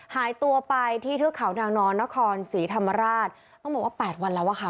หายตัวไปที่เทือกเขานางนอนนครศรีธรรมราชต้องบอกว่าแปดวันแล้วอะค่ะ